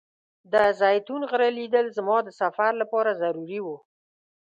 د زیتون غره لیدل زما د سفر لپاره ضروري و.